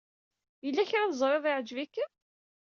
Yella kra teẓrid yeɛjeb-ikem?